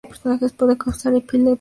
Puede causar epilepsia.